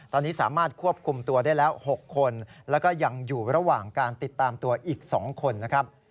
ตอนนี้สามารถควบคุมตัวได้แล้ว๖คนแล้วก็ยังอยู่ระหว่างการติดตามตัวอีก๒คนนะครับ